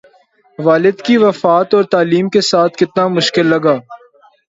والد کی وفات اور تعلیم کے ساتھ کتنا مشکل لگا